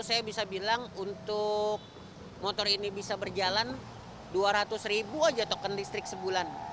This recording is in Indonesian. saya bisa bilang untuk motor ini bisa berjalan dua ratus ribu aja token listrik sebulan